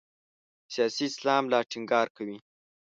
سیاسي اسلام لا ټینګار کوي.